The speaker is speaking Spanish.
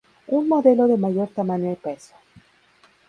Un modelo de mayor tamaño y peso.